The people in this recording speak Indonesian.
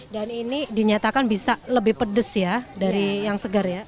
ini dinyatakan bisa lebih pedes ya dari yang segar ya